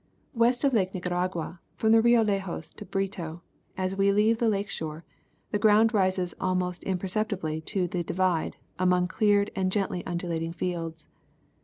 West of Lake Nicaragua, from the Rio Lajas to Brito, as we leave the lake shore, the ground rises almost imperceptibly to the " Divide " among cleared and gently undulating fields.